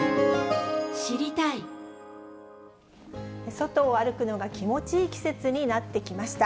外を歩くのが気持ちいい季節になってきました。